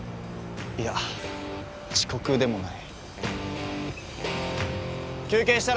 いや、遅刻でもない。